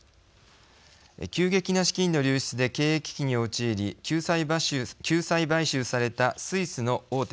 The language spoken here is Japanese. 急激な資金の流出で経営危機に陥り救済買収されたスイスの大手